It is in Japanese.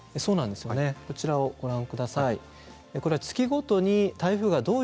こちらをご覧ください。